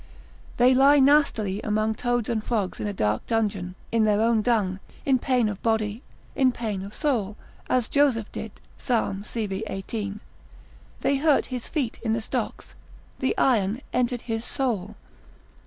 They lie nastily among toads and frogs in a dark dungeon, in their own dung, in pain of body, in pain of soul, as Joseph did, Psal. cv. 18, they hurt his feet in the stocks, the iron entered his soul.